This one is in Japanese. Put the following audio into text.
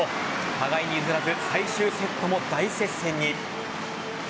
互いに譲らず最終セットも大接戦に。